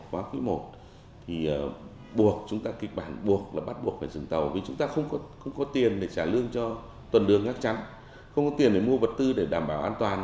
vì chúng ta không có tiền để trả lương cho tuần đường ngác trắng không có tiền để mua vật tư để đảm bảo an toàn